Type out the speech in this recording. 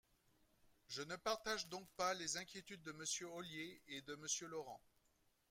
Je ne partage donc pas les inquiétudes de Monsieur Ollier et de Monsieur Laurent.